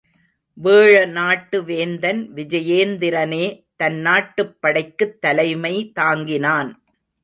வேழ நாட்டு வேந்தன் விஜயேந்திரனே தன் நாட்டுப் படைக்குத் தலைமை தாங்கினான்.